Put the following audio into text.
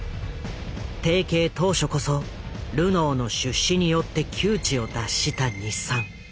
提携当初こそルノーの出資によって窮地を脱した日産。